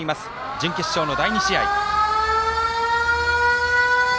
準決勝の第２試合。